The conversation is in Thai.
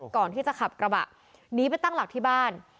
ก่อนที่จะขับกระบะหนีไปตั้งหลักที่บ้าน